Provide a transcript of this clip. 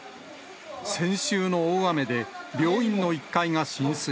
先週の大雨で、病院の１階が浸水。